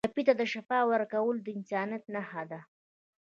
ټپي ته شفا ورکول د انسانیت نښه ده.